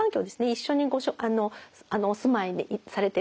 一緒にお住まいされてる方